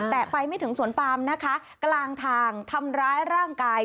แต่ไปไม่ถึงสวนปามนะคะกลางทางทำร้ายร่างกาย